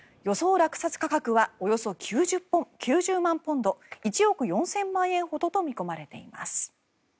落札価格はおよそ９０万ポンド１億４０００万円ほどと見込まれています。